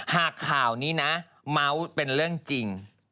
ถ้าข่าวนี้นะมั๊วเป็นเรื่องจริง